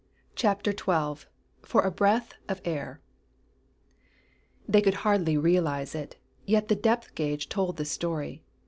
Chapter Twelve For a Breath of Air They could hardly realize it, yet the depth gage told the story.